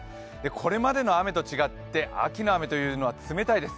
これまでの雨と違って秋の雨は冷たいです。